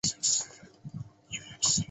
可以省一笔钱